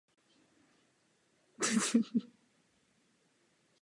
Po složení zkoušek byl přijat do státní služby.